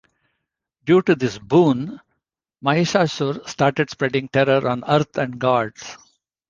Due to this boon, Mahishasur started spreading terror on Earth and Gods.